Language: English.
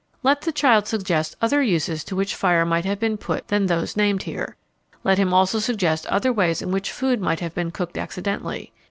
_ Let the child suggest other uses to which fire might have been put than those named here. Let him also suggest other ways in which food might have been cooked accidentally.